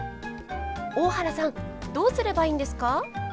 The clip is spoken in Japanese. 大原さんどうすればいいんですか？